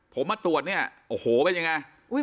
ผมมาตรวจเนี่ยโอ้โหเป็นยังไง